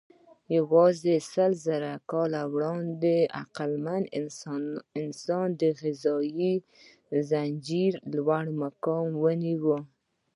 یواځې سلزره کاله وړاندې عقلمن انسان د غذایي ځنځير لوړ مقام ونیو.